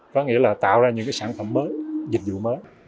có nghĩa là tạo ra những sản phẩm mới dịch vụ mới